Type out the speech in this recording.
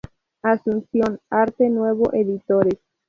Asunción, Arte Nuevo Editores.